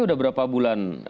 sudah berapa bulan